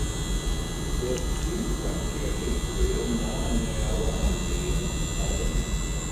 Does dim gatiau teithwyr na mannau arwahanu arbennig.